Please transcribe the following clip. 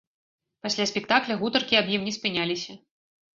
Пасля спектакля гутаркі аб ім не спыняліся.